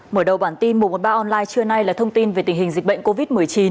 mở đầu bản tin một trăm một mươi ba online trưa nay là thông tin về tình hình dịch bệnh covid một mươi chín